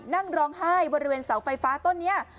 นั่งร้องไห้บริเวณเสาไฟฟ้าต้นนี้